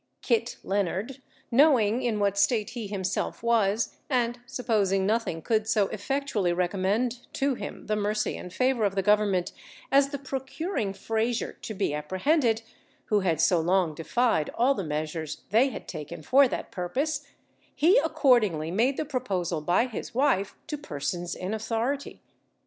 Kit Leonard, knowing in what state he himself was, and supposing nothing could so effectually recommend to him the mercy and favour of the Government as the procuring Frazier to be apprehended, who had so long defied all the measures they had taken for that purpose, he accordingly made the proposal by his wife to persons in authority.